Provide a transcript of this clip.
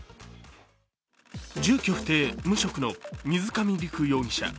住居不定無職の水上陸容疑者。